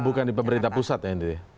bukan di pemerintah pusat ya henry